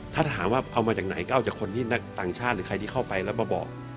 ถ้าถามว่าเอามาจากไหนก็เอาจากคนที่นักต่างชาติหรือใครที่เข้าไปแล้วมาบอก